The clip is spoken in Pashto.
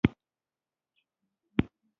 غول د بدن فابریکه بندوي.